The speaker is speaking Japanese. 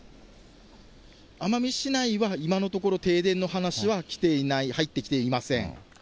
奄美市内は、今のところ、停電の話は来ていない、入ってきていません。